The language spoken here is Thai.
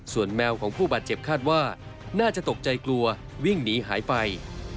ส่วนแมวของผู้บาดเจ็บคาดว่าน่าจะตกใจกลัววิ่งหนีหายไป